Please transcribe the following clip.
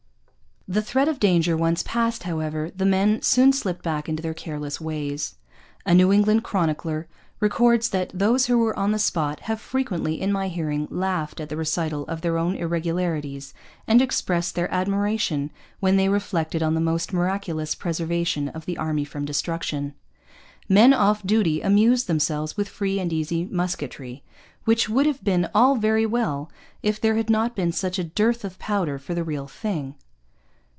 The threat of danger once past, however, the men soon slipped back into their careless ways. A New England chronicler records that 'those who were on the spot have frequently, in my hearing, laughed at the recital of their own irregularities and expressed their admiration when they reflected on the almost miraculous preservation of the army from destruction.' Men off duty amused themselves with free and easy musketry, which would have been all very well if there had not been such a dearth of powder for the real thing.